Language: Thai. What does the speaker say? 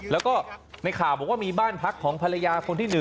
แล้วก็ในข่าวบอกว่ามีบ้านพักของภรรยาคนที่๑